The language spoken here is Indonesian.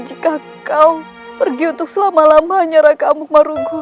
jika kau pergi untuk selama lamanya raka mukmarugul